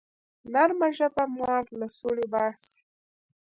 نرمه ژبه مار له سوړي باسي